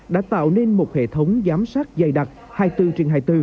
đã tạo nên một hệ thống giám sát dày đặc hai mươi bốn trên hai mươi bốn